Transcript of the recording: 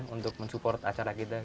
untuk mensupport acara kita